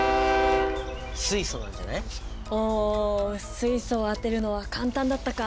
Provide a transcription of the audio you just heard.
水素を当てるのは簡単だったか。